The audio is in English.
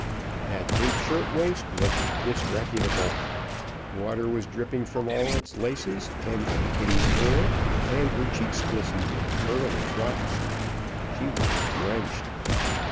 That pink shirt waist looked disreputable. Water was dripping from all its laces, and from Kitty's hair, and her cheeks glistened with pearly drops. She was drenched.